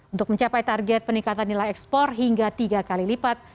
untuk mencapai target peningkatan nilai ekspor hingga tiga kali lipat